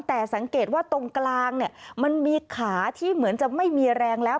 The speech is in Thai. แต่สังเกตว่าตรงกลางเนี่ยมันมีขาที่เหมือนจะไม่มีแรงแล้ว